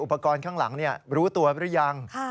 อุปกรณ์ข้างหลังรู้ตัวหรือยัง